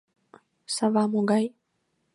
Сава могай?